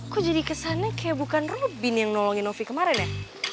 kok jadi kesannya kayak bukan rubin yang nolongin novi kemarin ya